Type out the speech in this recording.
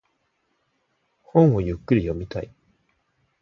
本をゆっくり読みたい。